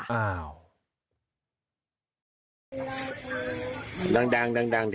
อ้าว